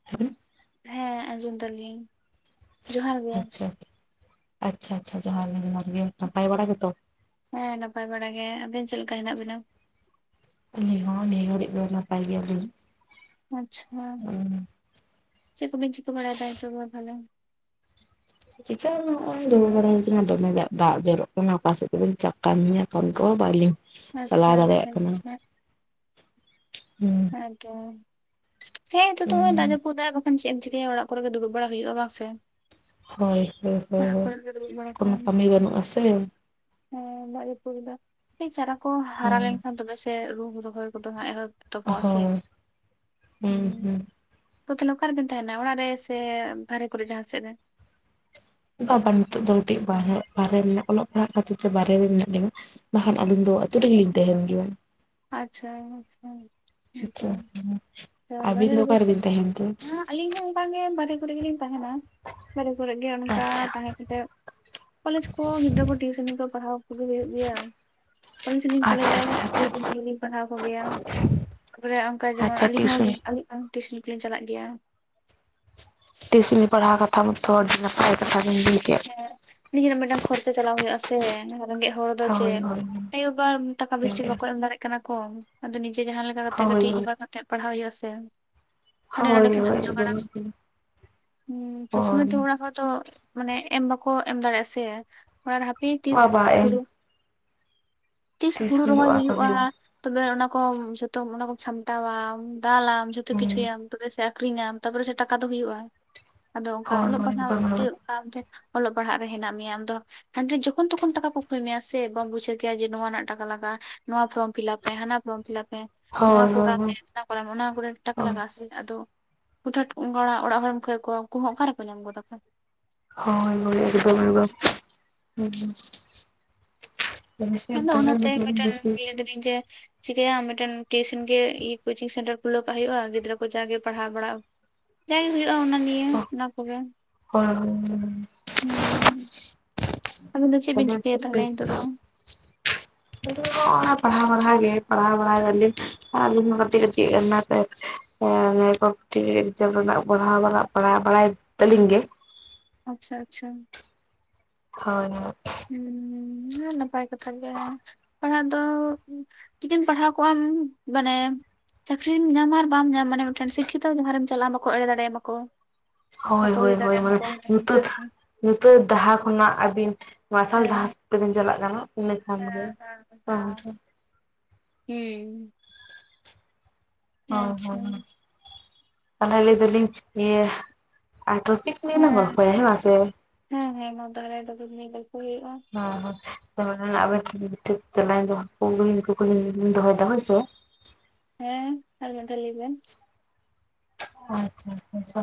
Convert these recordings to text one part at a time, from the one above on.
[inaudible] ᱦᱮᱸ ᱟᱡᱸᱡᱚᱢ ᱫᱟᱞᱤᱧ᱾ ᱡᱚᱦᱟᱨ ᱜᱮ ᱟᱪᱪᱷᱟ ᱟᱪᱪᱷᱟ ᱟᱪᱪᱷᱟ ᱟᱪᱷᱟ ᱡᱚᱦᱟᱨ ᱜᱮ ᱡᱚᱦᱟᱨ ᱜᱮ ᱱᱟᱯᱟᱭ ᱵᱟᱲᱟ ᱜᱮᱛᱚ? ᱦᱮᱸ ᱱᱟᱯᱟᱭ ᱵᱟᱲᱟ ᱜᱮ, ᱟᱵᱮᱱ ᱪᱮᱫ ᱞᱮᱠᱟ ᱦᱮᱱᱟᱜ ᱵᱮᱱᱟ? ᱟᱹᱞᱤᱧ ᱦᱚᱸ ᱱᱤᱭᱟᱹ ᱜᱷᱟᱹᱲᱤᱡ ᱫᱚ ᱱᱟᱯᱟᱭ ᱜᱮᱭᱟ ᱞᱤᱧ᱾ ᱟᱪᱪᱷᱟ, ᱪᱮᱫ ᱠᱚᱵᱮᱱ ᱪᱤᱠᱟᱹ ᱵᱟᱲᱟᱭᱫᱟ ᱱᱤᱛᱚᱜ ᱫᱚ ᱛᱟᱦᱞᱮ? ᱪᱤᱠᱟᱹ ᱦᱚᱸ ᱵᱟᱝ ᱱᱚᱸᱜᱼᱚᱭ ᱫᱩᱲᱩᱵ ᱵᱟᱲᱟ ᱦᱩᱭ ᱠᱟᱱᱟ, ᱟᱫᱚ ᱚᱱᱟᱜᱮ ᱫᱟᱜ ᱡᱚᱨᱚᱜ ᱠᱟᱱᱟ ᱚᱠᱟ ᱥᱮᱫ ᱛᱮᱵᱮᱱ ᱪᱟᱠᱟᱢᱤᱭᱟ ᱠᱚᱢᱤ ᱠᱚᱜᱣᱟ ᱵᱟᱹᱞᱤᱧ ᱟᱪᱪᱷᱟ ᱟᱪᱪᱷᱟ ᱟᱪᱪᱷᱟ᱾ ᱦᱩᱸ᱾ [inaudible] ᱦᱮᱸ ᱱᱤᱛᱚ ᱫᱚ ᱦᱩᱸ ᱫᱟᱜ ᱡᱟᱹᱯᱩᱫᱟᱭ ᱵᱟᱝᱠᱷᱟᱱ ᱪᱮᱫ ᱮᱢ ᱪᱮᱤᱠᱟᱹᱟ ᱚᱲᱟᱜ ᱠᱚ ᱨᱮᱜᱮ ᱫᱩᱵᱩᱵ ᱵᱟᱲᱟ ᱦᱩᱭᱩᱜᱼᱟ ᱵᱟᱝ ᱥᱮ? ᱦᱳᱭ ᱦᱳᱭ ᱦᱳᱭ ᱚᱲᱟᱜ ᱦᱳᱭ ᱠᱚᱨᱮ ᱜᱮ ᱫᱩᱲᱩᱵ ᱵᱟᱲᱟ ᱠᱚ ᱠᱳᱱᱳ ᱠᱟᱹᱢᱤ ᱵᱟᱹᱱᱩᱜ ᱟᱥᱮ? ᱦᱮᱸ ᱫᱟᱜ ᱡᱟᱹᱯᱩ ᱫᱚ ᱪᱟᱨᱟ ᱠᱚ ᱦᱟᱨᱟ ᱦᱩᱸ ᱞᱮᱱᱠᱷᱟᱱ ᱛᱚᱵᱮ ᱥᱮ ᱨᱩ ᱨᱚᱦᱚᱭ ᱠᱚᱫᱚ ᱦᱟᱸᱜ ᱮᱦᱚᱵ ᱛᱚ ᱠᱚᱣᱟ ᱥᱮ ᱦᱳᱭ ᱦᱩᱸ᱾ ᱛᱚ ᱛᱟᱦᱞᱮ ᱚᱠᱟ ᱨᱮᱵᱮᱱ ᱛᱟᱦᱮᱸᱱᱟ ᱚᱲᱟᱜ ᱨᱮ ᱥᱮ ᱵᱟᱦᱨᱮ ᱠᱚᱨᱮ ᱡᱟᱦᱟᱸ ᱥᱮᱫ ᱨᱮ? ᱵᱟᱵᱟ ᱱᱤᱛᱚᱜ ᱫᱚ ᱠᱟᱹᱴᱤᱡ ᱵᱟᱦᱮ ᱵᱟᱦᱨᱮ ᱢᱮᱱᱟᱜ ᱚᱞᱚᱜ ᱯᱟᱲᱦᱟᱜ ᱠᱷᱟᱹᱛᱤᱨ ᱛᱮ ᱵᱟᱦᱨᱮ ᱨᱮ ᱢᱮᱱᱟᱜ ᱞᱤᱧᱟ᱾ ᱵᱟᱠᱷᱟᱱ ᱟᱞᱤᱧ ᱫᱚ ᱟᱹᱛᱩ ᱨᱮᱜᱮᱞᱤᱧ ᱛᱟᱦᱮᱱ ᱜᱮᱭᱟ᱾ ᱟᱪᱷᱟ ᱟᱪᱷᱟ᱾ ᱟᱪᱪᱷᱟ ᱟᱹᱵᱤᱱ ᱫᱚ ᱚᱠᱟᱨ ᱪᱮᱫ ᱨᱮᱵᱤᱱ ᱛᱟᱦᱮᱸᱱ ᱛᱮ? ᱦᱮᱸ ᱟᱹᱞᱤᱧ ᱦᱚᱸ ᱚᱱᱠᱟᱹ ᱜᱮ ᱵᱟᱨᱦᱮ ᱠᱚᱨᱮ ᱜᱮᱞᱤᱧ ᱛᱟᱦᱮᱸᱱᱟ, ᱵᱟᱨᱦᱨᱮ ᱠᱚᱨᱮ ᱜᱮ ᱚᱱᱠᱟ ᱟᱪᱪᱷᱟ ᱛᱟᱦᱮᱸ ᱠᱟᱛᱮ ᱠᱚᱞᱮᱡ ᱠᱚ ᱜᱤᱫᱽᱨᱟᱹ ᱠᱚ ᱴᱤᱭᱩᱥᱚᱱ ᱠᱚ ᱯᱟᱲᱦᱟᱣ ᱠᱚᱜᱮ ᱦᱩᱭᱩᱜ ᱜᱮᱭᱟ, ᱠᱚᱞᱮᱡ ᱦᱚᱞᱤᱧ ᱠᱚᱞᱮᱡᱟ ᱟᱪᱪᱷᱟ ᱟᱪᱪᱷᱟ ᱟᱪᱪᱷᱟ ᱟᱞᱤᱧ ᱯᱟᱲᱦᱟᱣ ᱠᱚᱜᱮᱭᱟ ᱛᱟᱨᱯᱚᱨᱮ ᱚᱱᱠᱟ ᱡᱮᱢᱚᱱ ᱟᱪᱪᱷᱟ ᱟᱹᱞᱤᱧ ᱦᱚᱸ ᱴᱤᱭᱩᱥᱚᱱᱤ ᱟᱹᱞᱤᱧ ᱴᱤᱭᱩᱥᱚᱱ ᱠᱚᱞᱤᱧ ᱪᱟᱞᱟᱜ ᱜᱮᱭᱟ᱾ ᱴᱤᱭᱩᱥᱚᱱ ᱯᱟᱲᱦᱟᱣ ᱠᱟᱛᱷᱟ ᱢᱟᱛᱚ ᱟᱹᱰᱤ ᱱᱟᱯᱟᱭ ᱠᱟᱛᱷᱟ ᱜᱮᱢ ᱞᱟᱹᱭ ᱠᱮᱫ᱾ ᱱᱤᱡᱮᱨᱟᱜ ᱢᱤᱫᱴᱟᱝ ᱠᱷᱚᱨᱪᱚ ᱪᱟᱞᱟᱣ ᱦᱩᱭᱩᱜᱼᱟ ᱥᱮ᱾ ᱨᱮᱸᱜᱮᱡ ᱦᱚᱲ ᱫᱚ ᱦᱳᱭ ᱪᱮᱫ ᱦᱳᱭ ᱟᱭᱚᱵᱟ ᱴᱟᱠᱟ ᱵᱮᱥᱴᱤᱠ ᱵᱟᱠᱚ ᱮᱢ ᱫᱟᱲᱭᱟᱜ ᱠᱟᱱᱟ ᱠᱚ, ᱟᱫᱚ ᱱᱤᱡᱮ ᱡᱟᱦᱟᱸ ᱞᱮᱠᱟ ᱚᱱᱠᱟ ᱠᱟᱛᱮᱜ ᱠᱟᱹᱴᱤᱡ ᱡᱚᱜᱟᱣ ᱠᱟᱛᱮ ᱯᱟᱲᱦᱟᱣ ᱦᱩᱭᱩᱜᱼᱟ ᱥᱮ᱾ ᱦᱟᱸᱰᱮ ᱱᱟᱸᱰᱮ ᱦᱳᱭ ᱠᱷᱚᱱᱟᱜ ᱡᱚᱜᱟᱲᱟᱢ, ᱦᱳᱭ ᱦᱩᱸ ᱥᱚᱵ ᱥᱚᱢᱚᱭ ᱛᱚ ᱦᱳᱭ ᱚᱲᱟᱢ ᱦᱚᱲ ᱛᱚ ᱢᱟᱱᱮ ᱮᱢ ᱵᱟᱠᱚ ᱮᱢ ᱫᱟᱲᱮᱭᱟᱜᱼᱟ ᱥᱮ, ᱟᱨ ᱦᱟᱯᱤ ᱛᱤᱥ ᱵᱟᱵᱟ ᱮᱢ ᱦᱩᱲᱩ ᱛᱤᱥ ᱦᱩᱲᱩ ᱨᱚᱦᱚᱭ ᱦᱩᱭᱩᱜᱼᱟ᱾ ᱛᱚᱵᱮ ᱚᱱᱟ ᱠᱚ ᱡᱚᱛᱚ ᱚᱱᱟ ᱠᱚ ᱥᱟᱢᱴᱟᱣᱟᱢ ᱫᱟᱞᱟᱢ ᱡᱷᱚᱛᱚ ᱦᱩᱸ ᱠᱤᱪᱷᱩᱟᱢ᱾ ᱛᱚᱵᱮ ᱥᱮ ᱟᱠᱷᱨᱤᱧᱟᱢ ᱛᱟᱯᱚᱨᱮ ᱥᱮ ᱴᱟᱠᱟ ᱫᱚ ᱦᱩᱭᱩᱜᱼᱟ, ᱟᱫᱚ ᱚᱱᱠᱟ ᱦᱳᱭ ᱚᱞᱚᱜ ᱦᱳᱭ ᱯᱟᱲᱦᱟᱜ ᱮᱠᱫᱚᱢ [unintelligible] ᱚᱞᱚᱜ ᱯᱟᱲᱦᱟᱜ ᱨᱮ ᱦᱮᱱᱟᱜ ᱢᱮᱭᱟ ᱟᱢ ᱫᱚ᱾ ᱦᱟᱸ ᱡᱚᱠᱷᱚᱱ ᱛᱚᱠᱷᱚᱱ ᱴᱟᱠᱟ ᱠᱚ ᱛᱷᱚᱱᱰᱤᱧ ᱡᱚᱠᱷᱚᱱ ᱡᱚᱠᱷᱚᱱ ᱛᱚᱠᱷᱚᱱ ᱴᱟᱠᱟᱹ ᱠᱚᱭ ᱢᱮᱭᱟ ᱥᱮ ᱵᱟᱢ ᱵᱩᱡᱷᱟᱹᱣ ᱠᱮᱭᱟ ᱡᱮ ᱱᱚᱣᱟ ᱨᱮᱱᱟᱜ ᱴᱟᱠᱟ ᱞᱟᱜᱟᱜᱼᱟ ᱱᱚᱣᱟ ᱯᱷᱚᱨᱚᱢ ᱯᱷᱤᱞᱟᱯ ᱦᱟᱱᱟ ᱯᱷᱨᱚᱢ ᱯᱷᱤᱞᱟᱯ ᱢᱮ ᱱᱚᱣᱟ ᱦᱳᱭ ᱦᱳᱭ ᱠᱚᱨᱟᱣ ᱢᱮ ᱦᱳᱭ ᱠᱚᱨ ᱚᱱᱟ ᱠᱚᱨᱮ ᱴᱟᱠᱟ ᱦᱳᱭ ᱞᱟᱜᱟᱜᱼᱟ ᱟᱥᱮ ᱟᱫᱚ ᱚ ᱫᱷᱟᱹᱴ ᱚᱱᱠᱟ ᱢᱟ ᱚᱲᱟᱜ ᱦᱚᱲᱮᱢ ᱠᱷᱚᱭ ᱠᱚᱣᱟ ᱩᱱᱠᱩ ᱦᱚᱸ ᱚᱠᱟᱨᱮᱠᱚ ᱧᱟᱢ ᱜᱚᱫᱟ ᱠᱚ᱾ [unintelligible] ᱦᱩᱸ ᱴᱟᱲᱤ ᱥᱮᱫ ᱵᱚᱞᱚᱜ ᱫᱚ ᱵᱮᱥᱤ ᱤᱧ ᱡᱮ ᱪᱤᱠᱟᱭᱟᱢ ᱢᱤᱫᱴᱮᱱ ᱴᱤᱭᱩᱥᱚᱱ ᱜᱮ ᱤ ᱠᱚᱪᱤᱝ ᱥᱮᱱᱴᱟᱨ ᱠᱷᱩᱞᱟᱹ ᱠᱟᱜ ᱦᱩᱭᱩᱜᱼᱟ ᱜᱤᱫᱽᱨᱟᱹ ᱠᱚ ᱡᱟᱜᱮ ᱯᱟᱲᱦᱟᱣ ᱵᱟᱲᱟᱜ ᱡᱟᱭ ᱦᱩᱭᱩᱜᱼᱟ ᱚᱱᱟ ᱱᱤᱭᱮ ᱚᱱᱟ ᱠᱚᱜᱮ᱾ [unintelligible] ᱦᱩᱸ ᱟᱹᱵᱤᱱ ᱫᱚ ᱪᱮᱫ ᱦᱳᱭ ᱵᱤᱱ ᱪᱤᱠᱟᱹᱭᱟ ᱛᱟᱦᱚᱞᱮ ᱱᱤᱛᱚᱜ ᱫᱚ? ᱦᱳᱭ [unintelligible] ᱯᱟᱲᱦᱟᱣ ᱜᱮ ᱯᱟᱲᱦᱟᱣ ᱵᱟᱲᱟᱭ ᱫᱟᱞᱤᱧ᱾ ᱦᱚᱸ ᱟᱞᱤᱧ ᱦᱚᱸ ᱠᱟᱹᱴᱤᱡ ᱮᱢᱟ ᱠᱟᱭ ᱠᱚᱢᱯᱤᱴ ᱮᱠᱡᱟᱢ ᱨᱮᱱᱟᱜ ᱯᱟᱲᱦᱟᱣ ᱵᱟᱲᱟᱜ ᱯᱟᱲᱦᱟᱣ ᱵᱟᱲᱟᱭ ᱛᱟᱹᱞᱤᱧ ᱜᱮ᱾ ᱟᱪᱪᱷᱟ ᱟᱪᱪᱷᱟ᱾ ᱦᱚᱭ ᱦᱚᱭ᱾ ᱦᱩᱸ ᱱᱟᱯᱟᱭ ᱠᱟᱛᱷᱟ ᱜᱮ᱾ ᱯᱟᱲᱦᱟᱜ ᱫᱚ ᱪᱤᱠᱤᱢ ᱯᱟᱲᱦᱟᱣ ᱠᱚᱜ ᱟᱢ ᱢᱟᱱᱮ ᱪᱟᱹᱠᱨᱤᱢ ᱧᱟᱢᱟ ᱟᱨ ᱵᱟᱢ ᱧᱟᱢ ᱢᱟᱱᱮ ᱢᱤᱫᱴᱮᱱ ᱥᱤᱠᱷᱤᱛᱚ ᱡᱟᱦᱟᱸᱨᱮᱢ ᱪᱟᱞᱟᱜᱼᱟ ᱵᱟᱠᱚ ᱮᱲᱮ ᱫᱟᱲᱮ ᱟᱢᱟᱠᱚ᱾ ᱦᱚᱭ ᱦᱚᱭ ᱦᱚᱭ ᱢᱟᱱᱮ ᱧᱩᱛᱟᱛ ᱦᱮᱸ ᱧᱩᱛᱟᱹᱛ ᱰᱟᱦᱟ ᱠᱷᱚᱱᱟᱜ ᱟᱹᱵᱤᱱ ᱢᱟᱨᱥᱟᱞ ᱰᱟᱦᱟ ᱦᱮᱸ ᱛᱮᱵᱤᱱ ᱪᱟᱞᱟᱜ ᱠᱟᱱᱟ᱾ ᱤᱱᱟᱹᱠᱷᱟᱱ ᱜᱮ ᱦᱮᱸ ᱦᱮᱸ [unintelligible] ᱦᱩᱸ᱾ ᱦᱚᱭ ᱟᱪᱪᱷᱟ ᱦᱚᱭ ᱚᱱᱟ ᱞᱟᱹᱭ ᱫᱟᱞᱤᱧ ᱤᱭᱟᱹ ᱟᱴᱨᱯᱤᱠ ᱛᱤᱱᱟ ᱵᱚᱨ ᱦᱮᱸ ᱠᱷᱚᱭ ᱦᱮ ᱢᱟᱥᱮ ᱦᱮᱸ ᱦᱮᱸ ᱱᱚᱣᱟ ᱫᱟᱨᱮ ᱫᱚ ᱧᱮᱞ ᱟᱜᱩ ᱠᱚ ᱦᱩᱭᱩᱜᱼᱟ᱾ [unintelligible] ᱛᱟᱞᱟ ᱫᱚᱦᱠᱩ ᱠᱩᱠᱞᱤ ᱫᱚᱦᱚᱭᱮᱫᱟ ᱦᱚᱭᱥᱮ᱾ ᱦᱮᱸ ᱟᱨ ᱢᱤᱫᱷᱟ ᱞᱟᱹᱭᱵᱮᱱ᱾ ᱟᱪᱪᱷᱟ ᱟᱪᱪᱷᱟ᱾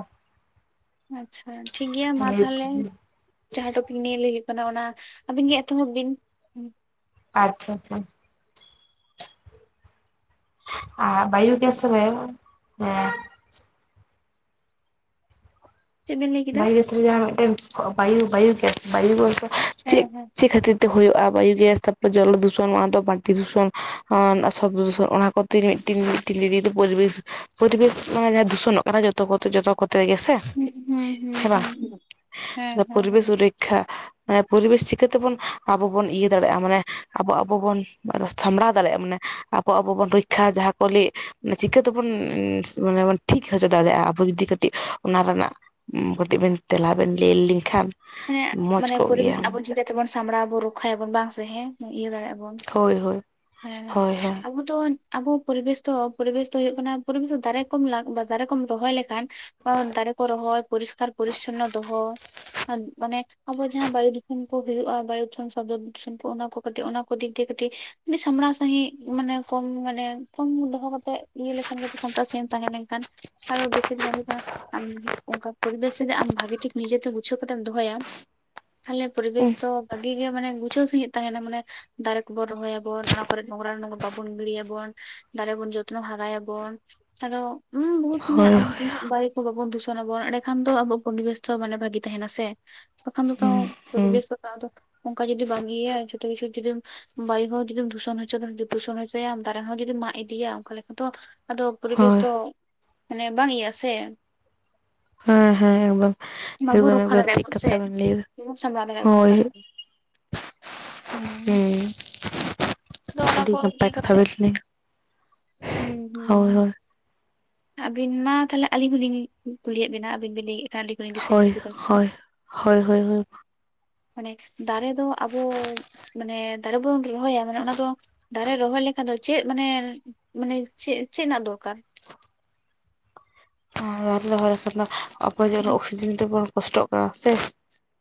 ᱟᱪᱪᱷᱟ ᱴᱷᱤᱠ ᱜᱮᱭᱟ ᱢᱟ ᱞᱟᱹᱭ ᱛᱟᱦᱚᱞᱮ᱾ ᱡᱟᱦᱟᱸ ᱴᱚᱯᱤᱠ ᱱᱤᱭᱟᱹ ᱦᱩᱭᱩᱜ ᱠᱟᱱᱟ ᱚᱱᱟ ᱟᱹᱵᱤᱱ ᱜᱮ ᱮᱛᱚᱦᱚᱵ ᱵᱤᱱ᱾ ᱦᱩᱸ, ᱟᱪᱪᱷᱟ ᱪᱷᱟ ᱪᱷᱟ᱾ ᱟᱨ ᱵᱟᱭᱩ ᱜᱮᱥ ᱨᱮ ᱮᱸ ᱪᱮᱫ ᱵᱤᱱ ᱞᱟᱹᱭ ᱠᱮᱫᱟ? ᱵᱟᱭᱩ ᱜᱮᱥ ᱡᱟᱦᱟᱸ ᱢᱤᱫᱴᱮᱱ ᱵᱟᱭᱩ ᱵᱟᱭᱩ ᱜᱮᱥ ᱵᱟᱭᱩ ᱚᱞᱯᱚ ᱦᱮᱸ ᱪᱮᱫ ᱦᱮᱸ ᱪᱮᱫ ᱠᱷᱟᱹᱛᱤᱨ? ᱛᱮ ᱦᱩᱭᱩᱜ-ᱟ, ᱵᱟᱭᱩᱜᱮᱥ ᱛᱟᱨᱯᱚᱨ ᱡᱚᱞᱚ ᱫᱩᱥᱚᱱᱚᱜ-ᱟ ᱛᱚ ᱵᱟᱲᱛᱤ ᱫᱩᱥᱚᱱ ᱟᱸ ᱥᱚᱵᱽ ᱫᱩᱥᱚᱱ ᱚᱱᱟ ᱠᱚ ᱾ ᱢᱤᱫᱴᱤᱱ ᱢᱤᱫᱴᱮᱱ ᱫᱤᱫᱤ ᱫᱚ ᱯᱚᱨᱤᱵᱮᱥ, ᱯᱚᱨᱤᱵᱮᱥ ᱢᱟᱱᱮ ᱫᱩᱥᱚᱱᱚᱜ ᱠᱟᱱᱟ ᱡᱚᱛᱚ ᱠᱚᱛᱮ ᱡᱚᱛᱚ ᱠᱚᱛᱮ ᱜᱮ ᱥᱮ ᱾ ᱦᱩᱸ ᱦᱩᱸ ᱦᱩᱸ ᱦᱮᱸ ᱵᱟᱝ, ᱦᱩᱸ ᱦᱮᱸ ᱦᱮᱸ ᱦᱮᱸ ᱯᱚᱨᱤᱵᱮᱥ ᱨᱮᱠᱷᱟᱼᱼ ᱢᱟᱱᱮ ᱯᱚᱨᱤᱵᱮᱥ ᱪᱤᱠᱟᱹ ᱛᱮᱵᱚᱱ ᱟᱵᱚ ᱵᱚᱱ ᱤᱭᱟᱹ ᱫᱟᱲᱮᱭᱟᱜ-ᱟ, ᱢᱟᱱᱮ ᱟᱵᱚ ᱟᱵᱚ ᱵᱚᱱ ᱥᱟᱢᱵᱽᱲᱟᱣ ᱫᱟᱲᱮᱭᱟᱜ-ᱟ ᱢᱟᱱᱮᱼᱼ ᱟᱵᱚ ᱟᱵᱚ ᱵᱚᱱ ᱨᱮᱠᱠᱷᱟ ᱡᱟᱦᱟᱸ ᱠᱚ ᱞᱟᱹᱭ, ᱪᱤᱠᱟᱹ ᱛᱮᱵᱚᱱᱻ ᱢᱟᱱᱮ ᱵᱚᱱ ᱴᱷᱤᱠ ᱦᱚᱪᱚ ᱫᱟᱲᱮᱭᱟᱜ-ᱟ ᱟᱵᱚ ᱡᱩᱫᱤ ᱠᱟᱹᱛᱼᱼ ᱴᱤᱡ ᱚᱱᱟ ᱨᱮᱱᱟᱜ ᱦᱩᱛᱤᱡ ᱵᱮᱱ ᱛᱮᱞᱟ ᱵᱮᱱ ᱞᱟᱹᱭ ᱟᱹᱞᱤᱧ ᱠᱷᱟᱱᱼᱼ ᱦᱮᱸᱜ ᱢᱟᱱᱮ ᱯᱚᱨᱤᱵᱮᱥ ᱟᱵᱚ ᱪᱤᱠᱟᱹ ᱛᱮᱵᱚᱱ ᱥᱟᱢᱵᱽᱲᱟ ᱟᱵᱚᱱ ᱨᱚᱠᱠᱷᱟᱭ ᱟᱵᱚᱱ ᱵᱟᱝ ᱥᱮ ᱦᱮᱸ ᱾ ᱤᱭᱟᱹ ᱫᱟᱲᱮᱭᱟᱜ-ᱟ ᱵᱚᱱ, ᱦᱳᱭ ᱦᱳᱭ ᱦᱮᱸ ᱦᱳᱭ ᱦᱳᱭ ᱟᱵᱚᱼᱼ ᱫᱚ ᱟᱵᱚ ᱯᱚᱨᱤᱵᱮᱥ ᱫᱚ ᱯᱚᱨᱤᱵᱮᱥ ᱫᱚ ᱦᱩᱭᱩᱜ ᱠᱟᱱᱟ ᱯᱚᱨᱤᱵᱮᱥ ᱫᱚ ᱫᱟᱨᱮ ᱠᱚᱢ ᱞᱟᱠ, ᱫᱟᱨᱮ ᱠᱚᱢ ᱨᱚᱦᱚᱭ ᱞᱮᱠᱷᱟᱱᱼᱼ ᱚ ᱫᱟᱨᱮ ᱠᱚ ᱨᱚᱦᱚᱭ, ᱯᱚᱨᱤᱥᱠᱟᱨ ᱯᱚᱨᱤᱪᱪᱷᱚᱱᱱᱚ ᱫᱚᱦᱚ ᱾ ᱟᱫ ᱢᱟᱱᱮ ᱟᱵᱚ ᱡᱟᱦᱟᱸ ᱵᱟᱭᱩ ᱫᱷᱩᱥᱚᱱ ᱠᱚ ᱦᱩᱭᱩᱜ-ᱟ, ᱵᱟᱭᱩ ᱫᱷᱚᱱ ᱥᱚᱵᱽᱫᱚ ᱫᱷᱩᱥᱚᱱ ᱠᱚ ᱚᱱᱟ ᱠᱚ ᱠᱟᱹᱴᱤᱡ, ᱚᱱᱟ ᱠᱚ ᱫᱤᱠ ᱫᱤᱭᱮ ᱠᱟᱹᱴᱤᱡᱼᱼ ᱟᱹᱰᱤ ᱥᱟᱢᱲᱟᱣ ᱥᱟᱺᱦᱤᱡ ᱢᱟᱱᱮ ᱯᱷᱚᱢ ᱢᱟᱱᱮ ᱯᱷᱚᱢ ᱫᱚᱦᱚ ᱠᱟᱛᱮᱜ ᱤᱭᱟᱹ ᱞᱮᱠᱷᱟᱱ ᱜᱮ ᱥᱟᱢᱴᱟᱣ ᱥᱟᱺᱦᱤᱡ ᱮᱢ ᱛᱟᱦᱮᱸ ᱞᱮᱱᱠᱷᱟᱱᱼᱼ ᱟᱨᱚ ᱵᱮᱥᱤᱨ ᱵᱷᱟᱜᱽ ᱦᱩᱭᱩᱜ ᱠᱟᱱᱟ ᱟᱢ ᱚᱱᱠᱟ ᱯᱚᱨᱤᱵᱮᱥ ᱨᱮ ᱟᱢ ᱵᱷᱟᱜᱮ ᱴᱷᱤᱠ ᱱᱤᱡᱮ ᱛᱮ ᱵᱩᱡᱽᱼᱼ ᱥᱩᱠᱷ ᱨᱮᱢ ᱫᱚᱦᱚᱭᱟ, ᱛᱟᱦᱚᱞᱮ ᱯᱚᱨᱤᱵᱮᱥ ᱫᱚᱼᱼ ᱵᱷᱟᱜᱤ ᱜᱮ ᱢᱟᱱᱮ ᱜᱩᱪᱷᱟᱹᱣ ᱥᱟᱺᱦᱤᱡ ᱛᱟᱦᱮᱱᱟ ᱢᱟᱱᱮ, ᱫᱟᱨᱮ ᱠᱚ ᱵᱚᱱ ᱨᱚᱦᱚᱭ ᱟᱵᱚᱱ ᱚᱱᱟ ᱠᱚᱨᱮᱜ ᱱᱚᱝᱨᱟ ᱠᱚ ᱵᱟᱵᱚᱱ ᱜᱤᱲᱤᱭᱟ ᱵᱚᱱ ᱾ ᱫᱟᱨᱮ ᱵᱚᱱ ᱡᱚᱛᱱᱚ ᱦᱟᱨᱟᱭᱟ ᱵᱚᱱ, ᱟᱨᱚᱼᱼ ᱦᱩᱸ ᱵᱩᱦᱩᱛ ᱢᱚᱱᱮ ᱦᱳᱭ ᱰᱟᱹᱭᱩ ᱠᱚ ᱵᱟᱵᱚᱱ ᱫᱩᱥᱚᱱ ᱟᱵᱚᱱ, ᱮᱸᱰᱮ ᱠᱷᱟᱱ ᱫᱚ ᱟᱵᱚ ᱯᱚᱨᱤᱵᱮᱥ ᱛᱚ ᱢᱟᱱᱮ ᱵᱷᱟᱹᱜᱤᱼᱼ ᱛᱟᱦᱮᱱᱟ ᱥᱮ, ᱛᱚᱠᱷᱟᱱ ᱫᱚ ᱛᱚ ᱦᱳᱭ ᱯᱚᱨᱤᱵᱮᱥ ᱫᱚ ᱵᱟᱝ ᱫᱚ ᱚᱱᱠᱟ ᱡᱩᱫᱤ ᱵᱟᱝ ᱤᱭᱟᱹᱭᱟ ᱡᱷᱚᱛᱚ ᱠᱤᱪᱷᱩ ᱡᱩᱫᱤᱢᱼᱼ ᱵᱟᱭᱩ ᱦᱚᱸ ᱡᱩᱫᱤᱢ ᱫᱷᱩᱥᱚᱱ ᱦᱚᱪᱚ, ᱫᱷᱩᱥᱚᱱ ᱦᱚᱪᱚᱭᱟᱢ ᱫᱟᱨᱮ ᱦᱚᱸ ᱡᱩᱫᱤ ᱢᱟᱜ ᱤᱫᱤᱭᱟ ᱚᱱᱠᱟ ᱞᱮᱠᱟ ᱫᱚᱼᱼ ᱟᱫᱚ ᱯᱚᱨᱤᱵᱮᱥ ᱦᱳᱭ ᱫᱚ, ᱢᱟᱱᱮ ᱵᱟᱝ ᱤᱭᱟᱹᱜ-ᱟ ᱥᱮ ᱾ ᱟ ᱦᱮᱸ ᱦᱮᱸ ᱵᱟᱸᱝ ᱵᱟᱵᱚ ᱨᱚᱠᱠᱷᱟ ᱫᱟᱲᱮᱭᱟᱜ ᱵᱚᱱ ᱥᱮ, ᱵᱟᱵᱚᱱ ᱥᱟᱢᱵᱟᱣ ᱫᱟᱲᱮᱭᱟᱜ ᱵᱚᱱ ᱱᱚᱝᱠᱟᱼᱼ ᱦᱳᱭ ᱞᱮᱠᱟ ᱦᱮᱸ ᱦᱩᱸ ᱫᱚ ᱚᱱᱟ ᱟᱹᱰᱤ ᱠᱚ ᱱᱟᱯᱟᱭ ᱤᱭᱟᱹ ᱠᱟᱛᱷᱟ ᱠᱟᱛᱮᱫ, ᱵᱮᱱ ᱞᱟᱹᱭ ᱦᱩᱸ ᱦᱩᱸ ᱦᱳᱭ ᱦᱩᱸ ᱦᱳᱭ ᱾ ᱟᱹᱵᱤᱱ ᱢᱟ ᱛᱟᱞᱦᱮ ᱟᱹᱞᱤᱧ ᱦᱚᱸ ᱞᱤᱧ ᱠᱩᱞᱤᱭᱮᱫ ᱵᱤᱱᱟ, ᱟᱹᱵᱤᱱ ᱵᱤᱱ ᱞᱟᱹᱭᱮᱫᱼᱟ ᱼᱼ [unintelligible] ᱠᱚᱞᱤᱧ ᱫᱤᱥᱟᱹ ᱦᱳᱭ ᱧᱟᱢ ᱠᱮᱫᱟ ᱾ ᱦᱳᱭ ᱦᱳᱭ ᱦᱳᱭ ᱦᱳᱭ ᱢᱟᱱᱮ ᱫᱟᱨᱮ ᱫᱚ ᱟᱵᱚᱼᱼ ᱢᱟᱱᱮ ᱫᱟᱨᱮ ᱵᱚᱱ ᱨᱚᱦᱚᱭᱟ, ᱢᱟᱱᱮ ᱚᱱᱟ ᱫᱚ ᱫᱟᱨᱮ ᱨᱚᱦᱚᱭ ᱞᱮᱠᱷᱟᱱ ᱫᱚ ᱪᱮᱫ ᱢᱟᱱᱮᱼᱼ ᱢᱟᱱᱮ ᱪᱮᱫ, ᱪᱮᱫ ᱨᱮᱱᱟᱜ ᱫᱚᱨᱠᱟᱨ? [unintelligible] ᱟᱵᱚ ᱡᱮ ᱨᱚᱜᱽ ᱦᱩᱸ ᱚᱠᱥᱤᱡᱮᱱ ᱛᱮ ᱵᱚᱱ ᱠᱚᱥᱴᱚᱜ ᱠᱟᱱᱟ ᱥᱮ ᱾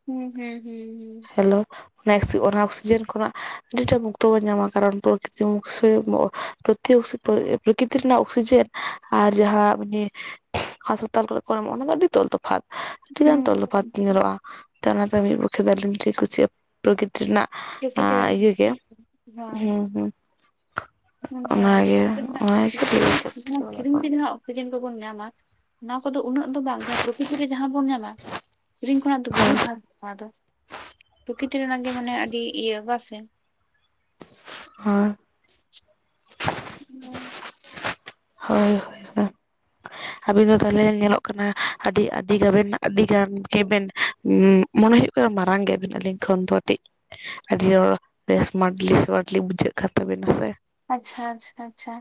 ᱦᱩᱸ ᱦᱩᱸ ᱦᱩᱸ ᱦᱩᱸ ᱾ ᱦᱮᱞᱳ [unintelligible] ᱚᱠᱥᱤᱡᱮᱱ ᱠᱷᱚᱱᱟᱜ ᱾ ᱟᱹᱰᱤᱴᱟᱜ ᱢᱩᱠᱛᱚ ᱵᱚᱱ ᱧᱟᱢᱟ, ᱠᱟᱨᱚᱱ ᱛᱚ ᱠᱤᱪᱷᱩ ᱯᱨᱚᱨᱤᱛ [unintelligible] ᱯᱨᱚᱠᱨᱤᱛᱤ ᱨᱮᱱᱟᱜ ᱚᱠᱥᱤᱡᱮᱱ ᱟᱨ ᱡᱟᱦᱟᱸ [unintelligible] ᱦᱟᱸᱥᱯᱟᱛᱟᱞ ᱠᱚᱨᱮᱜ ᱠᱚ ᱮᱢᱚᱜ-ᱟ, ᱚᱱᱟ ᱫᱚ ᱟᱹᱰᱤ ᱛᱚᱞ ᱛᱚᱯᱷᱟᱛ ᱾ ᱟᱹᱰᱤ ᱜᱟᱱ ᱦᱩᱸ ᱛᱚᱞ ᱛᱚᱯᱷᱟᱛ ᱧᱮᱞᱚᱜ-ᱟ, ᱚᱱᱟ ᱛᱮ ᱢᱤᱫ ᱯᱚᱠᱠᱷᱮ ᱫᱚ ᱟᱹᱞᱤᱧ ᱴᱷᱤᱡ ᱠᱩ ᱪᱤᱛᱼᱼ ᱯᱨᱚᱠᱨᱤᱛᱤ ᱨᱮᱱᱟᱜ ᱯᱨᱚᱠᱤᱛᱤ ᱟᱸ ᱨᱮᱱᱟᱜ ᱤᱭᱟᱹ ᱜᱮᱭᱟ, ᱦᱮᱸ ᱦᱮᱸᱼᱼ ᱢᱮᱱ ᱟᱹᱧ [unintelligible] ᱠᱤᱨᱤᱧ ᱛᱮ ᱦᱳᱭ ᱦᱟᱸᱜ ᱚᱠᱥᱤᱡᱮᱱ ᱠᱚ ᱵᱚᱱ ᱧᱟᱢᱟ᱾ ᱚᱱᱟ ᱠᱚᱫᱚ ᱩᱱᱟᱹᱜ ᱫᱚ ᱵᱟᱝ, ᱡᱟᱦᱟᱸ ᱯᱨᱚᱠᱨᱤᱛᱤ ᱨᱮ ᱡᱟᱦᱟᱸ ᱵᱚᱱ ᱧᱟᱢᱟ ᱾ ᱠᱤᱨᱤᱧ ᱠᱷᱚᱱᱟᱜ ᱫᱚ ᱵᱚᱦᱩᱛ ᱟ ᱟᱴᱟ, ᱯᱨᱚᱠᱤᱛᱤ ᱨᱮᱱᱟᱜ ᱜᱮ ᱢᱟᱱᱮ ᱟᱹᱰᱤ ᱤᱭᱟᱹ ᱵᱟ ᱥᱮᱼᱼ ᱦᱮᱸ [inaudible] ᱦᱳᱭᱳ [inaudible] ᱟᱵᱤᱱ ᱫᱚ ᱛᱟᱞᱦᱮ ᱧᱮᱞᱚᱜ ᱠᱟᱱᱟ ᱟᱹᱰᱤ ᱟᱹᱰᱤ ᱜᱟᱱᱵᱮᱱ ᱟᱹᱰᱤ ᱜᱟᱱ ᱜᱮ ᱵᱮᱱ ᱩᱸᱜᱼᱼ ᱢᱚᱱᱮ ᱦᱩᱭᱩᱜ ᱠᱟᱱᱟ ᱢᱟᱨᱟᱝ ᱜᱮᱭᱟ ᱵᱤᱱ ᱟᱹᱞᱤᱧ ᱠᱷᱚᱱ ᱫᱚ ᱟᱹᱰᱤᱡᱼᱼ ᱟᱹᱰᱤ ᱨᱚᱲ ᱥᱢᱟᱴᱞᱤ ᱥᱢᱟᱴᱞᱤ ᱵᱩᱡᱷᱟᱹᱜ ᱠᱟᱱ ᱛᱟᱵᱤᱱᱟ ᱥᱮ ᱾ ᱟᱪᱪᱷᱟ ᱟᱪᱪᱷᱟ ᱟᱪᱪᱷᱟ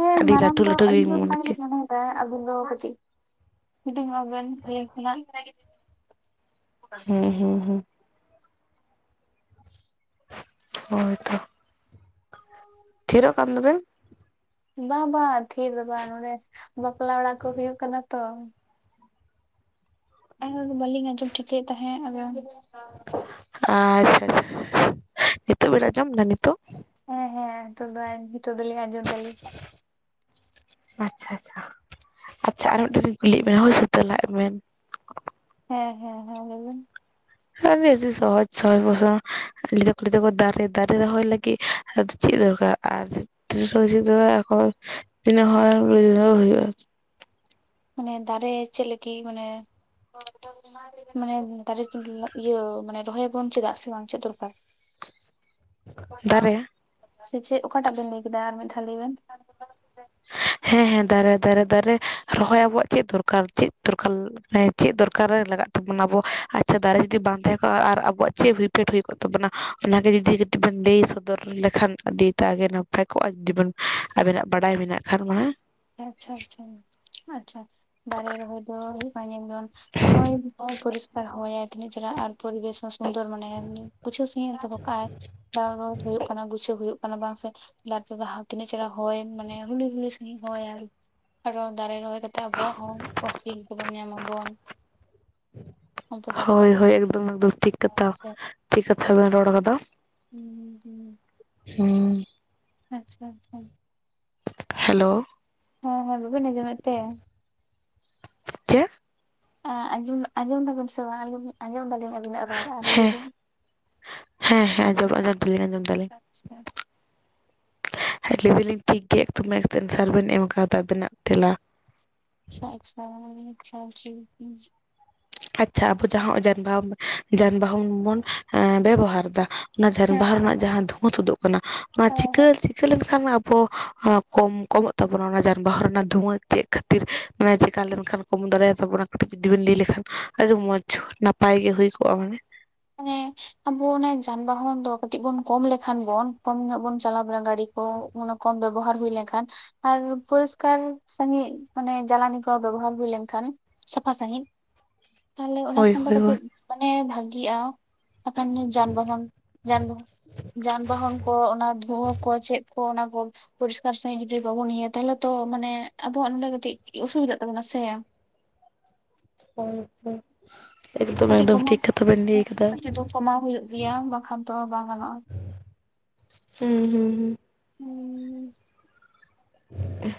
ᱦᱮᱸ ᱟᱹᱰᱤ ᱢᱟᱨᱟᱝ ᱞᱟᱹᱴᱩ ᱫᱚ ᱞᱟᱹᱴᱩ ᱟᱹᱞᱤᱧ ᱫᱚ ᱚᱱᱠᱟ ᱢᱚᱱᱮ ᱠᱮᱫ ᱜᱮᱞᱤᱧ ᱢᱚᱱᱮᱣ ᱟᱵᱤᱱ ᱫᱚ ᱠᱟᱹᱴᱤᱡ ᱦᱩᱰᱤᱧ ᱚᱜ-ᱟ ᱵᱮᱱ ᱟᱹᱞᱤᱧ ᱠᱷᱚᱱᱟᱜ ᱾ ᱦᱩᱸ ᱦᱩᱸ ᱦᱩᱸ ᱾ ᱦᱳᱭ ᱛᱚ ᱾ ᱛᱷᱤᱨᱚᱜ ᱠᱟᱱ ᱫᱚᱵᱮᱱ ᱾ ᱵᱟᱝ ᱵᱟᱝ ᱛᱷᱤᱨ ᱫᱚ ᱵᱟᱝ ᱱᱚᱰᱮ ᱵᱟᱯᱞᱟ ᱚᱲᱟᱜ ᱠᱚ ᱦᱩᱭᱩᱜ ᱠᱟᱱᱟ ᱛᱚ ᱾ [unintelligible] ᱟᱫᱚ ᱵᱟᱹᱞᱤᱧ ᱟᱸᱡᱚᱢ ᱴᱷᱤᱠᱟᱹᱭᱮᱫ ᱛᱟᱦᱮᱸᱫ ᱟᱫᱚ ᱟᱪᱪᱷᱟ ᱟᱪᱪᱷᱟ, [inaudible] ᱱᱤᱛᱚᱜ ᱵᱤᱱ ᱟᱸᱡᱚᱢ ᱮᱫᱟ ᱱᱤᱛᱚᱜ? ᱦᱮᱸ ᱦᱮᱸ ᱱᱤᱛᱚᱜ ᱫᱚ ᱱᱤᱛᱚᱜ ᱫᱚ ᱞᱤᱧ ᱟᱸᱡᱚᱢ ᱫᱟᱞᱤᱧ ᱾ ᱟᱪᱪᱷᱟ ᱟᱪᱷᱟ ᱾ ᱟᱪᱪᱷᱟ ᱟᱨ ᱢᱤᱫᱴᱮᱱ ᱞᱤᱧ ᱠᱩᱞᱤᱭᱮᱫ ᱵᱮᱱᱟ ᱦᱳᱭ ᱥᱮ ᱛᱮᱞᱟ ᱮᱢ ᱵᱮᱱ ᱾ ᱦᱮᱸ ᱦᱮᱸ ᱦᱮᱸ ᱞᱟᱹᱭ ᱵᱮᱱ ᱾ ᱟᱹᱰᱤ ᱟᱹᱰᱤ ᱥᱚᱦᱚᱡᱽ ᱥᱚᱦᱚᱡᱽ ᱯᱚᱥᱱᱚ [unintelligible] ᱫᱟᱠᱚ ᱫᱟᱨᱮ ᱫᱟᱨᱮ ᱨᱟᱦᱚᱭ ᱞᱟᱹᱜᱤᱫ ᱟᱫᱚ ᱪᱮᱫ ᱫᱚᱨᱠᱟᱨ ᱟᱨ ᱪᱮᱫ [unintelligible] ᱫᱚ ᱮᱠᱷᱚᱱ ᱤᱱᱟᱹ ᱦᱚᱸ ᱢᱤᱞᱟᱹᱣ ᱦᱩᱭᱩᱜᱼᱟ ᱾ ᱢᱟᱱᱮ ᱫᱟᱨᱮ ᱪᱮᱫ ᱞᱟᱹᱜᱤᱫ ᱢᱟᱱᱮ ᱢᱟᱱᱮ ᱫᱟᱨᱮ [unintelligible] ᱤᱭᱟᱹ ᱢᱟᱱᱮ ᱨᱚᱦᱚᱭ ᱟᱵᱚᱱ ᱪᱮᱫᱟᱜ ᱥᱮ ᱵᱟᱝ ᱪᱮᱫ ᱫᱚᱨᱠᱟᱨ? ᱫᱟᱨᱮ ᱥᱮ ᱪᱮᱫ ᱚᱠᱟᱴᱟᱜ ᱵᱮᱱ ᱞᱟᱹᱭ ᱠᱮᱫᱟ ᱟᱨ ᱢᱤᱫ ᱫᱷᱟᱹᱣ ᱞᱟᱹᱭ ᱵᱮᱱ? ᱦᱮᱸ ᱦᱮᱸ ᱫᱟᱨᱮ ᱫᱟᱨᱮ ᱫᱟᱨᱮ ᱨᱚᱦᱚᱭ ᱟᱵᱚᱣᱟᱜ ᱪᱮᱫ ᱫᱚᱨᱠᱟᱨ ᱪᱮᱫ ᱫᱚᱨᱠᱟᱨ ᱦᱮᱸ? ᱪᱮᱫ ᱫᱚᱨᱠᱟᱨ ᱨᱮ ᱞᱟᱜᱟᱜ ᱛᱟᱵᱚᱱᱟ ᱟᱵᱚ ᱟᱪᱪᱷᱟ ᱫᱟᱨᱮ ᱡᱩᱫᱤ ᱵᱟᱝ ᱛᱟᱦᱮᱸ ᱠᱚᱜᱼᱟ ᱟᱨ ᱟᱵᱚᱣᱟᱜ ᱪᱮᱫ [unintelligible] ᱦᱩᱭ ᱠᱚᱜ ᱛᱟᱵᱚᱱᱟ ᱚᱱᱟᱜᱮ ᱡᱩᱫᱤ ᱠᱟᱹᱴᱤᱡ ᱵᱚᱱ ᱞᱟᱹᱭ ᱥᱚᱫᱚᱨ ᱞᱮᱠᱷᱟᱱ ᱟᱹᱰᱤ ᱴᱟᱜ ᱜᱮ ᱱᱟᱯᱟᱭ ᱠᱚᱜᱼᱟ ᱡᱩᱫᱤ ᱵᱮᱱ ᱟᱵᱮᱱᱟᱜ ᱵᱟᱰᱟᱭ ᱢᱮᱱᱟᱜ ᱠᱷᱟᱱ ᱢᱟ ᱾ ᱟᱪᱪᱷᱟ ᱟᱪᱪᱷᱟ, ᱟᱪᱪᱷᱟ ᱫᱟᱨᱮ ᱨᱚᱦᱚᱭ ᱫᱚ ᱦᱩᱭᱩᱜ ᱠᱟᱱᱟ ᱡᱮᱢᱚᱱ ᱦᱚᱭ [unintelligible] ᱯᱚᱨᱤᱥᱠᱟᱨ ᱦᱚᱭᱟᱭ ᱛᱤᱱᱟᱹᱜ ᱪᱮᱦᱨᱟ ᱟᱨ ᱯᱚᱨᱵᱮᱥ ᱱᱚᱥ ᱥᱩᱱᱫᱩᱨ ᱢᱟᱱᱮ [unintelligible] ᱯᱩᱪᱷᱟᱹᱣ ᱥᱟᱦᱤᱡ ᱫᱚᱦᱚ ᱠᱟᱜ ᱟᱭ ᱾ ᱫᱟᱣ [unintelligible] ᱠᱚ ᱦᱩᱭᱩᱜ ᱠᱟᱱᱟ ᱜᱩᱪᱷᱟᱹᱣ ᱦᱩᱭᱩᱜ ᱠᱟᱱᱟ ᱵᱟᱝ ᱥᱮ‌ ᱛᱟᱨᱯᱚᱨᱮ ᱵᱟᱦᱟ ᱛᱤᱱᱟᱹᱜ ᱪᱮᱦᱨᱟ ᱦᱚᱭ ᱢᱟᱱᱮ ᱦᱩᱞᱩᱭ ᱦᱩᱞᱩᱭ ᱥᱟᱦᱤᱡ ᱾ ᱦᱚᱭᱟᱭ ᱟᱨᱚ ᱫᱟᱨᱮ ᱨᱚᱦᱚᱭ ᱠᱟᱛᱮᱫ ᱟᱵᱚᱣᱟᱜ ᱦᱚᱸ ᱚᱠᱥᱤᱡᱮᱱ ᱠᱚᱵᱚᱱ ᱧᱟᱢ ᱟᱵᱚᱱ ᱾ ᱟᱵᱚ ᱫᱟᱨᱮ ᱦᱳᱭ ᱵᱟᱝ ᱦᱳᱭ ᱠᱷᱟᱡ ᱮᱠᱫᱚᱢ ᱮᱠᱫᱚᱢ ᱴᱷᱤᱠ ᱠᱟᱛᱷᱟ [unintelligible] ᱴᱷᱤᱠ ᱠᱟᱛᱷᱟ ᱵᱮᱱ ᱨᱚᱲ ᱟᱠᱟᱫᱟ ᱾ ᱦᱩᱸ ᱾ ᱦᱩᱸ ᱾ ᱟᱪᱪᱷᱟ ᱟᱪᱪᱷᱟ ᱾ ᱦᱮᱞᱳ ᱾ ᱦᱮᱸ ᱦᱮᱸ ᱵᱟᱹᱵᱤᱱ ᱟᱸᱡᱚᱢ ᱮᱫ ᱛᱮ? ᱪᱮᱫ? ᱟᱡᱚᱸ ᱟᱸᱡᱚᱢ ᱮᱫᱟ ᱵᱤᱱ ᱥᱮ ᱵᱟᱝ ᱟᱸᱡᱚᱢ ᱫᱟᱞᱤᱧ ᱟᱹᱵᱤᱱᱟᱜ ᱨᱚᱲ ᱟᱨ ᱞᱟᱹᱭ ᱦᱮᱸ ᱵᱤᱱ ᱾ ᱦᱮᱸ ᱦᱮᱸ ᱟᱸᱡᱚᱢ ᱟᱸᱡᱚᱢ ᱫᱟᱞᱤᱧ ᱟᱸᱡᱚᱢ ᱾ ᱟᱪᱪᱷᱟ ᱟᱪᱪᱷᱟ ᱾ ᱦᱮᱸ ᱞᱟᱹᱭ ᱫᱟᱞᱤᱧ ᱴᱷᱤᱠ ᱜᱮ ᱮᱠᱫᱚᱢ [unintelligible] ᱮᱱᱥᱟᱨ ᱵᱮᱱ ᱮᱢ ᱠᱟᱫᱟ ᱟᱵᱮᱱᱟᱜ ᱛᱮᱞᱟ ᱾ ᱟᱪᱪᱷᱟ ᱟᱪᱪᱷᱟ, ᱟᱪᱪᱷᱟ [unintelligible] ᱟᱪᱪᱷᱟ ᱟᱵᱚ ᱡᱟᱦᱟᱸ ᱦᱚᱜ-ᱚᱭ ᱡᱟᱱᱵᱟᱦᱟ ᱡᱟᱱᱵᱟᱦᱚᱱ ᱵᱚᱱ ᱮᱸ ᱵᱮᱵᱚᱦᱟᱨ ᱫᱟ ᱚᱱᱟ ᱡᱟᱱ ᱵᱟᱦᱟ ᱦᱮᱸ ᱨᱮᱱᱟᱜ ᱡᱟᱦᱟᱸ ᱫᱷᱩᱣᱟᱹ ᱛᱩᱫᱩᱜ ᱠᱟᱱᱟ ᱚᱱᱟ ᱦᱮᱸ ᱪᱤᱠᱟᱹ ᱦᱮᱸ ᱪᱤᱠᱟᱹ ᱞᱮᱱ ᱠᱷᱟᱱ ᱢᱟ ᱟᱵᱚ ᱠᱚᱢ ᱠᱚᱢᱚᱜ ᱛᱟᱵᱚᱱᱟ ᱚᱱᱟ ᱡᱟᱱᱵᱟᱦᱟ ᱨᱮᱱᱟᱜ ᱫᱷᱩᱣᱟᱹ ᱪᱮᱫ ᱠᱷᱟᱹᱛᱤᱨ? ᱢᱟᱱᱮ ᱪᱤᱠᱟ ᱞᱮᱱ ᱠᱷᱟᱱ ᱠᱚᱢ ᱫᱟᱲᱮᱭᱟ ᱛᱟᱵᱚᱱᱟ ᱠᱟᱹᱴᱤᱡ ᱡᱩᱫᱤ ᱵᱮᱱ ᱞᱟᱹᱭ ᱞᱮᱠᱷᱟᱱ ᱾ ᱟᱹᱰᱤ ᱢᱚᱸᱡᱽ ᱱᱟᱯᱟᱭ ᱜᱮ ᱦᱩᱭ ᱠᱚᱜ-ᱟ ᱢᱟᱱᱮ᱾ ᱦᱮᱸ ᱟᱵᱚ ᱚᱱᱮ ᱡᱟᱱᱵᱟᱦᱚᱱ ᱫᱚ ᱠᱟᱹᱴᱤᱡ ᱵᱚᱱ ᱠᱚᱢ ᱞᱮᱠᱷᱟᱱ ᱵᱚᱱ ᱠᱚᱢ ᱧᱚᱜ ᱵᱚᱱ ᱪᱟᱞᱟᱣ ᱵᱟᱲᱟ ᱫᱟᱲᱤ ᱠᱚ ᱩᱱᱟ ᱠᱚᱢ ᱵᱮᱵᱚᱦᱟᱨ ᱦᱩᱭ ᱞᱮᱝᱠᱷᱟᱱ ᱟᱨ ᱯᱚᱨᱤᱥᱠᱟᱨ ᱥᱟᱺᱦᱤᱜ ᱢᱟᱱᱮ ᱡᱟᱞᱟᱱᱤ ᱠᱚ ᱵᱮᱵᱚᱦᱟᱨ ᱦᱩᱭ ᱞᱮᱝᱠᱷᱟᱱ ᱥᱟᱯᱷᱟ ᱥᱟᱺᱦᱤᱡ ᱛᱟᱦᱞᱮ ᱚᱱᱟ ᱦᱳᱭ ᱠᱷᱟᱱ ᱫᱚ ᱦᱳᱭ ᱦᱳᱭ ᱠᱟᱹᱴᱤᱡ ᱢᱟᱱᱮ ᱵᱷᱟᱹᱜᱤᱜ-ᱟ᱾ ᱮᱠᱷᱟᱱ ᱱᱮ ᱡᱟᱱᱵᱟᱦᱚᱱ ᱡᱟᱱᱵᱟᱦᱚᱱ ᱡᱟᱱᱵᱟᱦᱚᱱ ᱠᱚ ᱚᱱᱟ ᱫᱷᱩᱣᱟᱹ ᱠᱚ ᱪᱮᱜ ᱠᱚ ᱚᱱᱟ ᱠᱚ ᱯᱚᱨᱤᱥᱠᱟᱨ ᱥᱟᱺᱦᱤᱡ ᱡᱩᱫᱤ ᱵᱟᱵᱚᱱ ᱤᱭᱟᱹᱭᱟ ᱛᱟᱦᱞᱮ ᱛᱚ ᱢᱟᱱᱮ ᱟᱵᱚᱣᱟᱜ ᱱᱚᱰᱮ ᱠᱟᱹᱴᱤᱡ ᱚᱥᱩᱵᱤ ᱫᱟᱜ ᱛᱟᱵᱚᱱᱟ ᱥᱮ᱾ ᱦᱳᱭ ᱠᱮ ᱠᱟᱹᱴᱤᱡ ᱠᱚᱢᱟᱣ ᱠᱟᱹᱴᱤ ᱫᱚ ᱠᱚᱢᱟᱣ ᱦᱳᱭᱳᱜ ᱜᱮᱭᱟ ᱵᱟᱠᱷᱟᱱ ᱛᱚ ᱵᱟᱝ ᱜᱟᱱᱚᱜ-ᱟ᱾ ᱦᱩᱸ ᱦᱩᱸ ᱦᱩᱸ ᱦᱩᱸ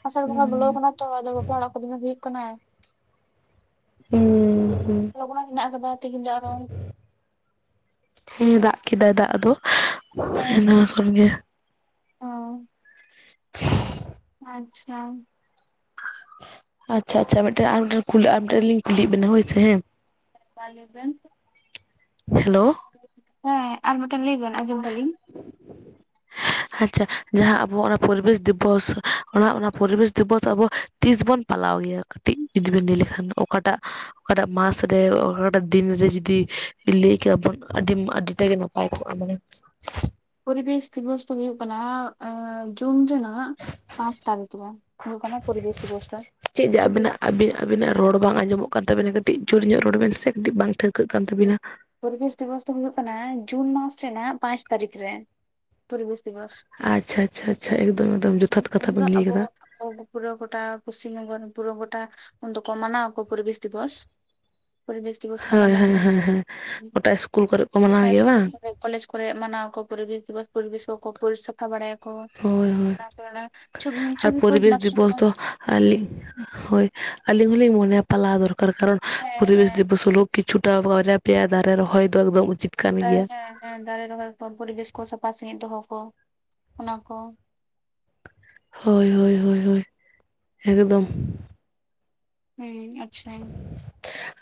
ᱟᱥᱟᱲ ᱵᱚᱸᱜᱟ ᱵᱚᱞᱚᱣ ᱦᱩᱸ ᱠᱟᱱᱟ ᱛᱚ ᱟᱫᱚ ᱵᱟᱯᱞᱟ ᱚᱲᱟᱜ ᱠᱚ ᱫᱚᱢᱮ ᱦᱩᱭᱩᱜ ᱠᱟᱱᱟ᱾ ᱦᱩᱸ ᱦᱩᱸ ᱞᱚᱜᱱᱚ ᱦᱮᱱᱟᱜ ᱠᱟᱫᱟ ᱛᱮᱦᱮᱧ ᱫᱚ ᱟᱨᱚ᱾ ᱦᱮᱸ ᱫᱟᱜ ᱠᱮᱫᱟᱭ ᱫᱟᱜ ᱫᱚ ᱚ ᱱᱟ ᱠᱷᱚᱱᱜᱮ᱾ [inaudible] ᱟᱪᱪᱷᱟ ᱟᱪᱪᱷᱟ ᱟᱪᱪᱷᱟ ᱢᱮᱜᱴᱮᱱ ᱟᱨ ᱢᱤᱫᱴᱮᱱ ᱠᱩᱞᱤ ᱟᱯᱰᱮᱴ ᱠᱩᱞᱤᱭᱮᱜ ᱵᱮᱱᱟ ᱦᱳᱭ ᱥᱮ ᱦᱮᱸ? ᱢᱟ ᱞᱮ ᱵᱮᱱ ᱦᱮᱞᱳ ᱦᱮᱸ ᱟᱨ ᱢᱮᱴᱮᱱ ᱞᱮᱭ ᱵᱮᱱ ᱟᱸᱡᱚᱢ ᱫᱟᱞᱤᱧ᱾ ᱟᱪᱪᱷᱟ ᱡᱟᱦᱟᱸ ᱟᱵᱚᱣᱟᱜ ᱚᱱᱟ ᱯᱚᱨᱤᱵᱮᱥ ᱫᱤᱵᱚᱥ ᱚᱱᱟ ᱚᱱᱟ ᱯᱚᱨᱤᱵᱮᱥ ᱫᱤᱵᱚᱥ ᱟᱵᱚ ᱛᱤᱥ ᱵᱚᱱ ᱯᱟᱞᱟᱣ ᱜᱮᱭᱟ? ᱠᱟᱹᱴᱤᱡ ᱡᱩᱫᱤ ᱵᱤᱱ ᱞᱮ ᱞᱮᱠᱷᱟᱱ ᱚᱠᱟᱴᱟᱜ ᱚᱠᱟᱴᱟᱜ ᱢᱟᱥ ᱨᱮ ᱚᱠᱟᱴᱟᱜ ᱫᱤᱱᱨᱮ ᱡᱩᱫᱤ ᱞᱮ ᱠᱮᱭᱟᱵᱚᱱ ᱟᱹᱰᱤ ᱟᱹᱰᱤ ᱴᱟᱜᱮ ᱱᱟᱯᱟᱭ ᱠᱚᱜ-ᱟ ᱢᱟᱱᱮ᱾ [inaudible] ᱯᱚᱨᱤᱵᱮᱥ ᱫᱤᱵᱚᱥ ᱫᱚ ᱦᱩᱭᱩᱜ ᱠᱟᱱᱟ ᱮ ᱡᱩᱱ ᱨᱮᱱᱟᱜ ᱦᱟᱜ ᱯᱟᱸᱪ ᱛᱟᱹᱨᱤᱠᱷ ᱨᱮ ᱦᱩᱭᱩᱜ ᱠᱟᱱᱟ ᱯᱚᱨᱤᱵᱮᱥ ᱫᱤᱵᱚᱥ ᱴᱤ ᱪᱮᱫ ᱡᱮ ᱟᱵᱤᱱᱟᱜ ᱟᱵᱤᱱ ᱟᱵᱤᱱᱟᱜ ᱨᱚᱲ ᱵᱟᱝ ᱟᱸᱡᱚᱢᱚᱜ ᱠᱟᱱ ᱛᱟᱹᱵᱤᱱᱟ ᱠᱟᱹᱴᱤᱡ ᱡᱳᱨ ᱧᱚᱜ ᱨᱚᱲ ᱵᱤᱱ ᱥᱮ ᱠᱟᱹᱴᱤᱡ ᱵᱟᱝ ᱴᱷᱟᱹᱣᱠᱟᱹᱜ ᱠᱟᱱ ᱛᱟᱹᱵᱤᱱᱟ ᱯᱚᱨᱤᱵᱮᱥ ᱫᱤᱵᱚᱥ ᱫᱚ ᱦᱩᱭᱩᱜ ᱠᱟᱱᱟ ᱡᱩᱱ ᱢᱟᱥ ᱨᱮᱱᱟᱜ ᱯᱟᱸᱪ ᱛᱟᱹᱨᱤᱠᱷ ᱨᱮ᱾ ᱯᱩᱨᱵᱮᱥ ᱫᱤᱵᱚᱥ ᱟᱪᱪᱷᱟ ᱟᱪᱪᱷᱟ ᱮᱠᱫᱚᱢ ᱮᱠᱫᱚᱢ ᱡᱚᱛᱷᱟᱛ ᱠᱟᱛᱷᱟ ᱩᱱᱫᱚ ᱵᱮᱱ ᱞᱟᱹᱭ ᱟᱵᱚ ᱠᱟᱫᱟ ᱚ ᱯᱩᱨᱟᱹ ᱜᱚᱴᱟ ᱯᱩᱥᱪᱤᱢ ᱯᱚᱝᱚ ᱨᱮᱱ ᱯᱩᱨᱟᱹ ᱜᱚᱴᱟ ᱩᱱ ᱫᱚᱠᱚ ᱢᱟᱱᱟᱣᱟᱠᱚ ᱯᱚᱨᱤᱵᱮᱥ ᱫᱤᱵᱚᱥ᱾ ᱯᱚᱨᱤᱵᱮᱥ ᱫᱤᱵᱚᱥ ᱠᱟᱱᱟ ᱦᱳᱭ ᱦᱮᱸ ᱢᱮᱱᱛᱮ ᱦᱮᱸ ᱦᱮᱸ ᱦᱮᱸ ᱜᱚᱴᱟ ᱤᱥᱠᱩᱞ ᱠᱚᱨᱮᱜ ᱠᱚ ᱢᱟᱱᱟᱣ ᱜᱮᱭᱟ ᱤᱥᱠᱩᱞ ᱵᱟᱝ᱾ ᱠᱚᱞᱮᱡᱽ ᱠᱚᱨᱮᱜ ᱢᱟᱱᱟᱣ ᱟᱠᱚ ᱯᱚᱨᱤᱵᱮᱥ ᱫᱤᱵᱚᱥ ᱯᱚᱨᱤᱵᱮᱥ ᱠᱚᱠᱚ ᱯᱳᱨᱤᱫ ᱥᱟᱯᱷᱟ ᱵᱟᱲᱟᱭᱟᱠᱚ ᱦᱳᱭ ᱦᱳᱭ ᱚᱱᱟ ᱠᱚᱨᱮᱱᱟᱜ ᱪᱷᱚᱵᱤ ᱟᱨ ᱪᱷᱚᱵᱤ ᱯᱚᱨᱤᱵᱮᱥ ᱫᱤᱵᱚᱥ ᱫᱚ ᱟᱹᱞᱤᱧ ᱦᱳᱭ ᱟᱹᱞᱤᱧ ᱦᱚᱸᱞᱤᱧ ᱢᱚᱱᱮᱭᱟ ᱯᱟᱞᱟᱣ ᱫᱚᱨᱠᱟᱨ ᱠᱟᱨᱚᱱ ᱦᱮᱸ ᱯᱚᱨᱤᱵᱮᱥ ᱦᱮᱸ ᱫᱤᱵᱚᱥ ᱦᱳᱞᱳ ᱠᱤᱪᱷᱩᱴᱟ ᱵᱟᱨᱭᱟ ᱯᱮᱭᱟ ᱫᱟᱨᱮ ᱨᱚᱦᱚᱭ ᱫᱚ ᱮᱠᱫᱚᱢ ᱩᱪᱤᱛ ᱠᱟᱱ ᱚᱝᱠᱟ ᱜᱮᱭᱟ ᱦᱮᱸ ᱦᱮᱸ ᱫᱟᱨᱮ ᱨᱚᱦᱚᱭ ᱠᱚ ᱯᱚᱨᱤᱵᱮᱥ ᱠᱚ ᱥᱟᱯᱷᱟ ᱥᱟᱹᱦᱤᱡ ᱫᱚᱦᱚ ᱠᱚ ᱚᱱᱟ ᱠᱚ᱾ ᱦᱳᱭ ᱦᱳᱭ ᱦᱳᱭ ᱦᱳᱭ ᱮᱠᱫᱚᱢ᱾ ᱦᱩᱸ ᱟᱪᱪᱷᱟ᱾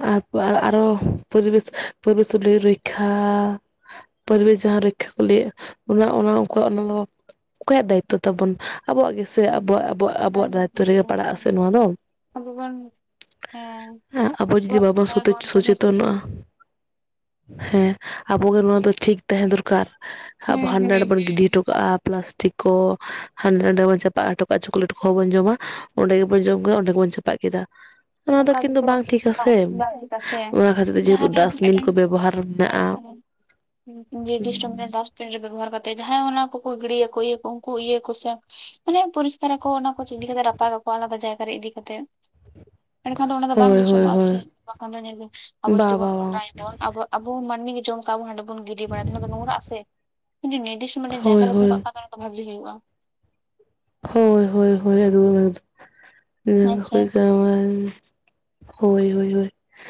ᱟᱨ ᱯᱚ ᱟᱨᱚ ᱯᱚᱨᱤᱵᱮᱥ ᱯᱚᱨᱤᱵᱮᱥ ᱨᱚᱡᱠᱷᱟ ᱯᱚᱨᱤᱵᱮᱥ ᱡᱟᱦᱟᱸ ᱨᱚᱡᱠᱠᱷᱟ ᱠᱚ ᱞᱟᱹᱭᱮᱜ-ᱟ ᱚᱱᱟ ᱚᱱᱟ ᱩᱱᱠᱩᱣᱟᱜ ᱚᱱᱟ ᱫᱚ ᱚᱠᱚᱭᱟᱜ ᱫᱟᱭᱤᱛᱛᱚ ᱛᱟᱵᱚᱱ ᱟᱵᱚᱣᱟᱜ ᱜᱮᱥᱮ ᱟᱵᱚᱣᱟᱜ ᱟᱵᱚᱣᱟᱜ ᱟᱵᱚᱣᱟᱜ ᱫᱟᱭᱤᱛᱛᱚ ᱨᱮᱜᱮ ᱯᱟᱲᱟᱜ ᱟᱥᱮ ᱱᱚᱣᱟ ᱫᱚ᱾ ᱟᱵᱚ ᱵᱚᱱ ᱦᱮᱸ, ᱟᱵᱚ ᱡᱩᱫᱤ ᱵᱚᱱ ᱵᱟᱵᱚᱱ ᱥᱚᱛᱮᱡ ᱨᱚᱠᱷᱟᱭᱟᱵᱚᱱ ᱛᱚᱵᱮ ᱥᱮ ᱦᱩᱸ ᱥᱚᱪᱮᱛᱚᱱᱚᱜ-ᱟ ᱦᱮᱸ ᱟᱵᱚᱜᱮ ᱱᱚᱣᱟ ᱫᱚ ᱴᱷᱤᱠ ᱛᱟᱦᱮᱸ ᱫᱚᱨᱠᱟᱨ ᱟᱵᱚ ᱦᱟᱸᱰᱮ ᱦᱩᱸ ᱱᱟᱰᱮ ᱵᱚᱱ ᱜᱤᱰᱤ ᱦᱚᱴᱚ ᱠᱟᱜ-ᱟ ᱯᱞᱟᱥᱴᱤᱠ ᱠᱚ ᱦᱟᱸᱰᱮ ᱱᱟᱰᱮ ᱵᱚᱱ ᱪᱟᱯᱟᱜ ᱦᱚᱴᱚ ᱠᱟᱜᱼᱟ ᱪᱚᱠᱞᱮᱴ ᱠᱚᱦᱚᱸ ᱵᱚᱱ ᱡᱚᱢᱟ ᱚᱸᱰᱮ ᱜᱮᱵᱚᱱ ᱡᱚᱢ ᱜᱮᱭᱟ ᱚᱸᱰᱮ ᱜᱮᱵᱚᱱᱼᱼ ᱪᱟᱯᱟᱜ ᱠᱮᱫᱟ ᱚᱱᱟ ᱫᱚ ᱚᱱᱠᱟ ᱚᱱᱟᱼᱼ ᱠᱤᱱᱛᱩ ᱛᱮᱫᱚ ᱵᱟᱝ ᱴᱷᱤᱠ ᱟᱥᱮ ᱵᱟᱝ ᱴᱷᱤᱠᱟ ᱥᱮ ᱚᱱᱟ ᱠᱷᱟᱹᱛᱤᱨ ᱛᱮ ᱡᱮᱦᱩᱛᱩ ᱡᱟᱦᱟᱸᱨᱮ ᱰᱟᱥᱴᱵᱤᱱ ᱠᱚ ᱵᱮᱵᱚᱦᱟᱨ ᱢᱮᱱᱟᱜᱼᱟ᱾ ᱱᱤᱨᱛᱤᱥᱛᱷᱚ ᱢᱤᱫᱴᱟᱝ ᱫᱟᱥᱼᱼ ᱨᱮ ᱵᱮᱵᱚᱦᱟᱨ ᱠᱟᱛᱮᱫ ᱡᱟᱦᱟᱸᱭ ᱚᱱᱟ ᱠᱚ ᱜᱤᱲᱤᱭᱟᱠᱚ ᱤᱭᱟᱹ ᱠᱚ ᱩᱱᱠᱩ ᱤᱭᱟᱹ ᱠᱚ ᱥᱮᱼᱼ ᱩᱱᱟᱹᱜ ᱯᱚᱨᱤᱥᱠᱟᱨ ᱟᱠᱚ ᱚᱱᱟ ᱠᱚ ᱪ ᱤᱫᱤ ᱠᱟᱛᱮ ᱨᱟᱯᱟᱜᱟᱠᱚ ᱟᱞᱟᱫᱟ ᱡᱟᱭᱜᱟ ᱨᱮ ᱤᱫᱤ ᱠᱟᱛᱮᱼᱼ ᱮᱱᱰᱮᱠᱷᱟᱱ ᱫᱚ ᱚᱱᱟ ᱫᱚ ᱵᱟᱝ ᱦᱳᱭ ᱦᱳᱭ ᱫᱩᱥᱚᱱᱚᱜᱼᱟ ᱦᱳᱭ ᱥᱮ ᱵᱟᱠᱷᱟᱱ ᱫᱚ ᱧᱮᱞᱵᱤᱱ ᱟᱵᱚ ᱵᱟ ᱡᱩᱫᱤ ᱵᱟ ᱵᱚᱱ ᱵᱟᱝ [unintelligible] ᱟᱵᱚᱣᱟᱜᱼᱼ ᱟᱵᱚ ᱢᱟᱹᱱᱢᱤ ᱜᱮ ᱡᱚᱢ ᱠᱟᱜ ᱵᱚᱱ ᱦᱟᱸᱰᱮ ᱵᱚᱱ ᱜᱤᱰᱤ ᱵᱟᱲᱟᱭ ᱫᱟ ᱚᱱᱟ ᱫᱚ ᱱᱚᱝᱨᱟᱜ ᱟᱥᱮ ᱡᱚᱫᱤ ᱱᱤᱨᱛᱤᱥᱴᱷᱚ ᱢᱤᱴᱟᱝ ᱡᱟᱭᱜᱟ ᱦᱳᱭ ᱨᱮᱼᱼ ᱦᱳᱭ ᱵᱷᱟᱞᱮ ᱦᱩᱭᱩᱜᱼᱟ᱾ ᱦᱳᱭ ᱦᱳᱭ ᱦᱳᱭ ᱟᱪᱪᱷᱟ [unintelligible] ᱦᱳᱭ ᱦᱳᱭ ᱦᱳᱭ,